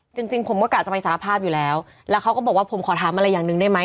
จริงจริงผมก็กะจะไปสารภาพอยู่แล้วแล้วเขาก็บอกว่าผมขอถามอะไรอย่างหนึ่งได้ไหม